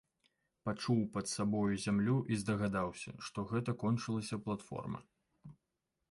Пачуў пад сабою зямлю і здагадаўся, што гэта кончылася платформа.